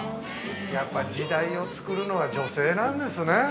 時代を作るのは、女性なんですね。